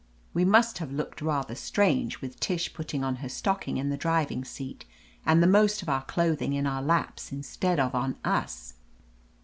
jWe must have looked rather strange, with Tish putting on her stocking in the driving seat and the most of our clothing in our laps instead of on us.